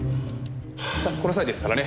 さあこの際ですからね